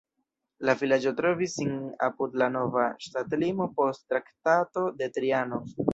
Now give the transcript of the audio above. La vilaĝo trovis sin apud la nova ŝtatlimo post Traktato de Trianon.